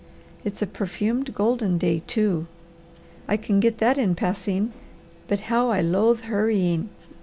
It's a perfumed golden day, too; I can get that in passing, but how I loathe hurrying.